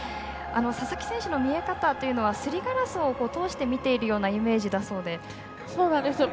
佐々木選手の見え方というのがすりガラスを通して見ているようなイメージだそうで。